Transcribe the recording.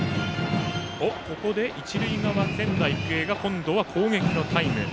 ここで一塁側、仙台育英が今度は攻撃のタイム。